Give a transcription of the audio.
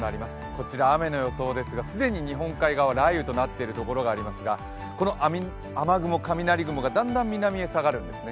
こちら雨の予想ですが、既に日本海側雷雨となっているところがありますがこの雨雲・雷雲がだんだん南に下がるんですね。